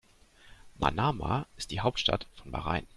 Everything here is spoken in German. Manama ist die Hauptstadt von Bahrain.